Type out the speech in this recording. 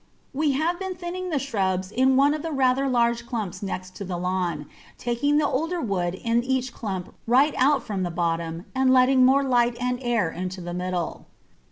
We have been thinning the shrubs in one of the rather large clumps next to the lawn, taking the older wood in each clump right out from the bottom and letting more light and air into the middle.